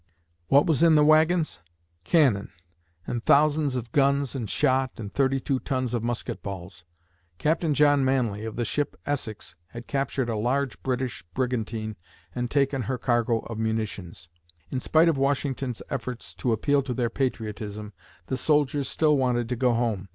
What was in the wagons? Cannon! and thousands of guns and shot and thirty two tons of musket balls! Captain John Manly, of the ship Essex, had captured a large British brigantine and taken her cargo of munitions. In spite of Washington's efforts to appeal to their patriotism, the soldiers still wanted to go home.